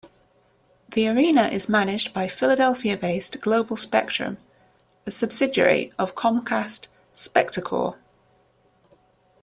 The arena is managed by Philadelphia-based Global Spectrum, a subsidiary of Comcast Spectacor.